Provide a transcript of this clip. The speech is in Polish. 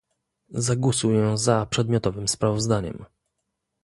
Zagłosuję za przedmiotowym sprawozdaniem